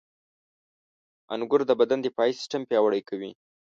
• انګور د بدن دفاعي سیستم پیاوړی کوي.